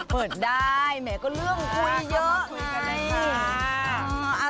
เปิดได้แหมก็เลื่อนคุยเยอะนะ